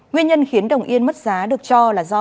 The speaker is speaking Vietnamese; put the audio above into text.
nguyên nhân khiến đồng yên mất giá được cho là do